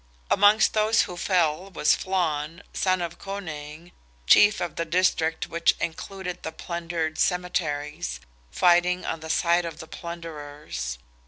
Amongst those who fell was Flan, son of Conaing, chief of the district which included the plundered cemeteries, fighting on the side of the plunderers.